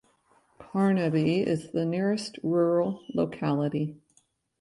Kharnavy is the nearest rural locality.